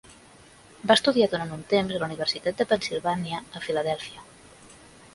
Va estudiar durant un temps a la Universitat de Pennsilvània a Filadèlfia.